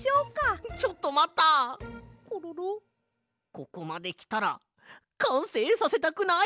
ここまできたらかんせいさせたくない？